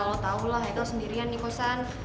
lo tau lah haikal sendirian nih kosan